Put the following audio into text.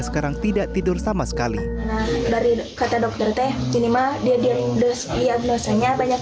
sekarang tidak tidur sama sekali dari kata dokter teh jenima dia dia udah dia dosanya banyak